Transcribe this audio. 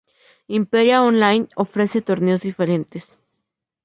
Imperia Online ofrece torneos diferentes.